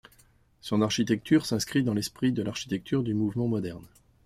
Son architecture s’inscrit dans l’esprit de l’architecture du Mouvement moderne.